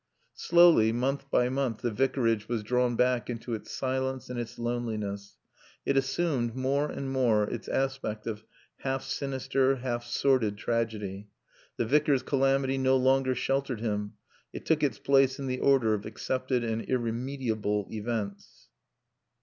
Slowly, month by month, the Vicarage was drawn back into its silence and its loneliness. It assumed, more and more, its aspect of half sinister, half sordid tragedy. The Vicar's calamity no longer sheltered him. It took its place in the order of accepted and irremediable events.